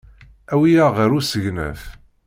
Awi-aɣ ɣer usegnaf.